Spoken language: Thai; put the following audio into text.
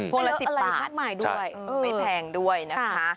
พวกละ๑๐บาทไม่แพงด้วยนะคะไม่เหลืออะไรทั้งหมายด้วย